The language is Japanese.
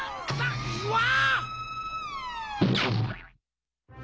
うわ！